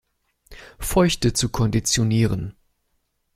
Feuchte zu konditionieren.